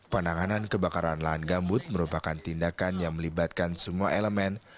penanganan kebakaran lahan gambut merupakan tindakan yang melibatkan semua elemen